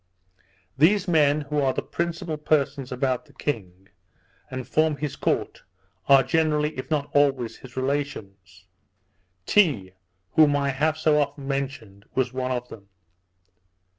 These men, who are the principal persons about the king, and form his court, are generally, if not always, his relations; Tee, whom I have so often mentioned, was one of them.